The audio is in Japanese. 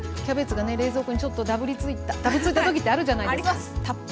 キャベツがね冷蔵庫にちょっとだぶついた時ってあるじゃないですか。